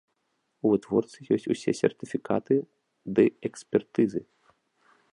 У вытворцы ёсць усе сертыфікаты ды экспертызы.